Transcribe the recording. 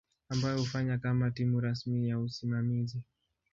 ambayo hufanya kama timu rasmi ya usimamizi.